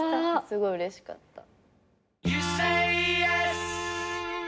すごいうれしかった。